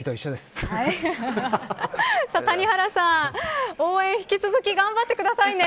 谷原さん応援、引き続き頑張ってくださいね。